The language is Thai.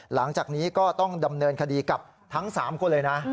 หลังจากนี้ก็ต้องดำเนินคดีกับทั้ง๓คนเลยนะ